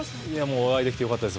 お会いできてよかったです。